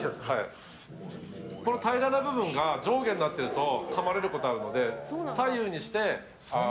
平らな部分が上下になっているとかまれることがあるので左右にして。